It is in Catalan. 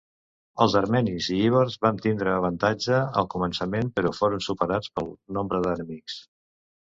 Els armenis i ibers van tindre avantatge al començament però foren superats pel nombre d'enemics.